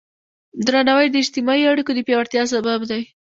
درناوی د اجتماعي اړیکو د پیاوړتیا سبب دی.